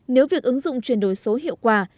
nếu việc ứng dụng chuyển đổi số hiệu quả